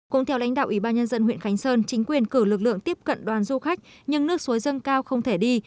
cũng theo lãnh đạo ủy ban nhân dân huyện khánh sơn chính quyền cử lực lượng tiếp cận đoàn du khách nhưng nước suối dâng cao không thể đi